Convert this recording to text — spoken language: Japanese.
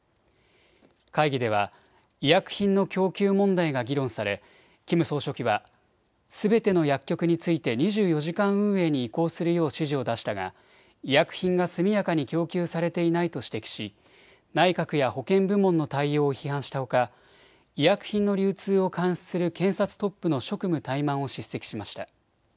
会議では医薬品の供給問題が議論されキム総書記はすべての薬局について２４時間運営に移行するよう指示を出したが医薬品が速やかに供給されていないと指摘し内閣や保健部門の対応を批判したほか医薬品の流通を監視する検察トップの職務怠慢を叱責しました。